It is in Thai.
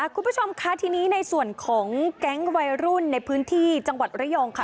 คุณผู้ชมค่ะทีนี้ในส่วนของแก๊งวัยรุ่นในพื้นที่จังหวัดระยองค่ะ